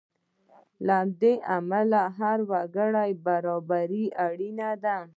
له دې امله د هر وګړي برابري اړینه ده.